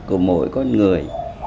của mỗi con người